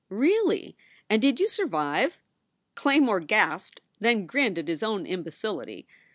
"Really! And did you survive?" Claymore gasped, then grinned at his own imbecility.